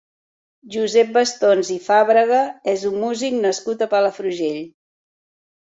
Josep Bastons i Fàbrega és un músic nascut a Palafrugell.